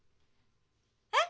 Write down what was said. え？